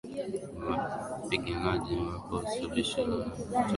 mpiganaji mmoja wa alshabab ametoa vitisho kwa msanii mmoja raia wa sweden lastil